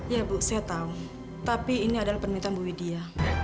ya bu saya tahu tapi ini adalah permintaan bu widia